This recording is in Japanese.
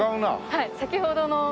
はい先ほどの。